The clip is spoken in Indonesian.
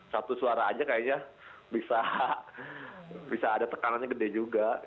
satu suara aja kayaknya bisa ada tekanannya gede juga